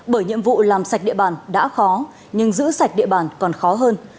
bởi nhiệm vụ làm sạch địa bàn đã khó nhưng giữ sạch địa bàn còn khó hơn